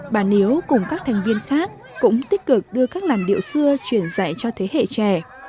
bà niếu cùng các thành viên khác cũng tích cực đưa các làn điệu xưa truyền dạy cho thế hệ trẻ